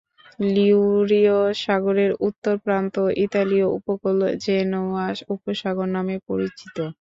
লিগুরীয় সাগরের উত্তর প্রান্ত ইতালির উপকূলে "জেনোয়া উপসাগর" নামে পরিচিত।